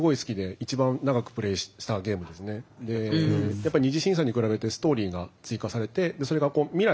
やっぱ二次審査に比べてストーリーが追加されてそれが未来